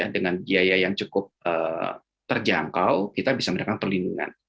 dengan biaya yang cukup terjangkau kita bisa mendapatkan perlindungan